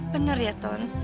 bener ya ton